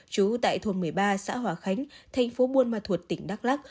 trú tại thôn một mươi ba xã hòa khánh thành phố buôn ma thuột tỉnh đắk lắc